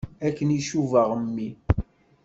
Akken i cubaɣ mmi.